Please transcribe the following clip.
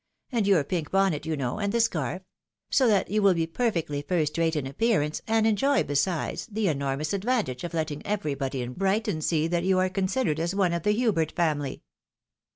And your pink bonnet, you know, and the scarf; so that you will be per fectly first rate in appearance, and enjoy, besides, the enormous advantage of letting eyerybody in Brighton see that you are one of the Hubert family."